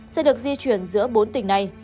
sẽ được di chuyển giữa bốn tỉnh này